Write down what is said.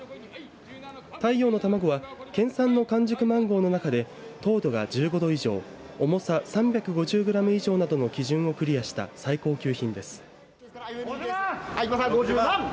太陽のタマゴは県産の完熟マンゴーの中で糖度が１５度以上重さ３５０グラム以上などの基準をクリアした最高級品です。